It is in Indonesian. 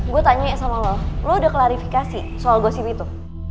gue tanya sama lo lo udah klarifikasi soal gosip itu